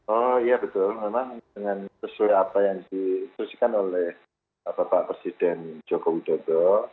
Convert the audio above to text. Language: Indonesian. oh iya betul memang dengan sesuai apa yang diinstruksikan oleh bapak presiden joko widodo